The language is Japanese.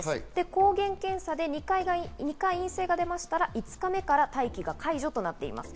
抗原検査で２回陰性が出ましたら５日目から待機が解除となっています。